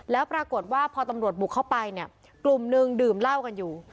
แล้วปรากฏว่าพอตำรวจบุกเข้าไปเนี่ยกลุ่มนึงดื่มเหล้ากันอยู่